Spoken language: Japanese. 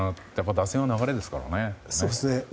打線は流れですからね。